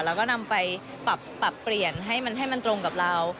แล้วก็นำไปปรับเปลี่ยนให้มันตรงกับเรา